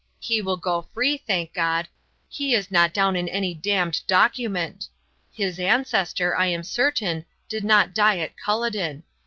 He will go free, thank God, he is not down in any damned document. His ancestor, I am certain, did not die at Culloden.